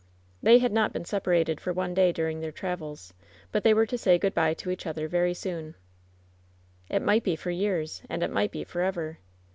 They had not been separated for one day during their 8 4 WHEN SHADOWS DIE travels; but they were to say good by to each other veij soon. "It might be for years, and it might be forever."